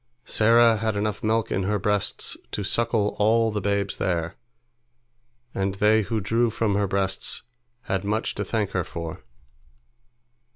Sarah had enough milk in her breasts to suckle all the babes there, and they who drew from her breasts had much to thank her for.